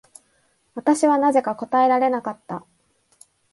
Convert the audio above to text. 私はなぜか答えられなかった。